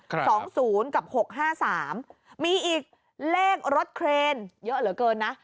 สองศูนย์กับหกห้าสามมีอีกเลขรถเครนเยอะเหลือเกินนะ